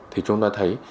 thì chúng ta thấy